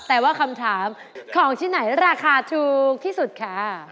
แต่ว่าคำถามของที่ไหนราคาถูกที่สุดค่ะ